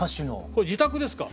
これ自宅ですか？